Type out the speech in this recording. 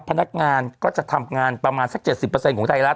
พนักงานก็จะทำงานประมาณสัก๗๐ของไทยรัฐ